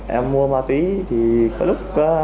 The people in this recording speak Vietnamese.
em mua ma túy thì có lúc